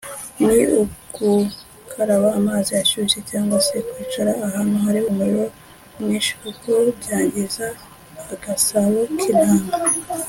ni ugukaraba amazi ashyushye cyangwa se kwicara ahantu hari umuriro mwinshi kuko byangiza agasabo k’intanga